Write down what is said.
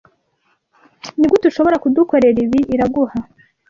Nigute ushobora kudukorera ibi, Iraguha?